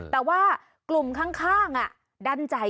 แต่ว่ากลุ่มข้างดันจ่ายเงินยังไม่ครบ